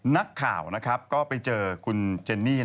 นักข่าวก็ไปเจอคุณเจนนี่